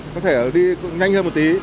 có thể đi nhanh hơn một tí